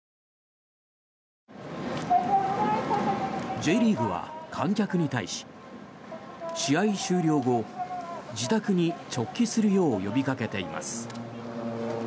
Ｊリーグは観客に対し試合終了後、自宅に直帰するよう呼びかけています。